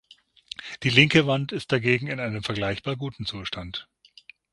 Die linke Wand ist dagegen in einem vergleichbar guten Zustand.